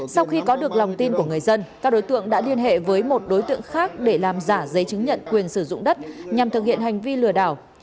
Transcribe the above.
sau khi có được lòng tin của người dân các đối tượng đã liên hệ với một đối tượng khác để làm giả giấy chứng nhận quyền sử dụng đất nhằm thực hiện hành vi lừa đảo